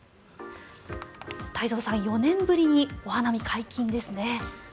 太蔵さん、４年ぶりにお花見解禁ですね。